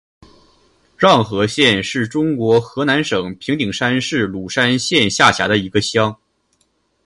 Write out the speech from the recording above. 瀼河乡是中国河南省平顶山市鲁山县下辖的一个乡。